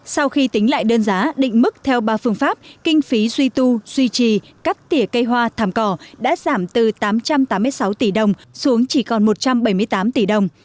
sau khi tính lại đơn giá định mức theo ba phương pháp kinh phí duy tu duy trì cắt tỉa cây hoa thảm cỏ đã giảm từ tám trăm tám mươi sáu tỷ đồng xuống chỉ còn một trăm bảy mươi tám tỷ đồng